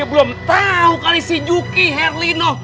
ya belum tau kali si juki herlino